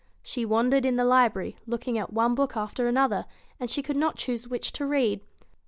She wandered in the library, looking at one book after another, and she could not choose which to read.